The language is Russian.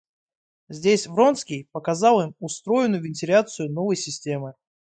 Здесь Вронский показал им устроенную вентиляцию новой системы.